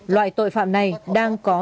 loại tội phạm này đang có